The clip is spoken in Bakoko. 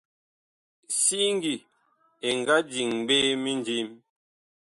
Siŋgi ɛ nga diŋ ɓe mindim.